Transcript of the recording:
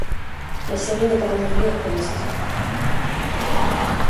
La série n'est pas renouvelée après deux saisons.